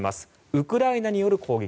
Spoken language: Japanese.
ウクライナによる攻撃